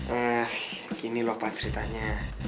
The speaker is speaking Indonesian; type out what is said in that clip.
eh gini loh pak ceritanya